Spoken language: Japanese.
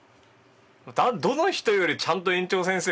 どの人よりちゃんと園長先生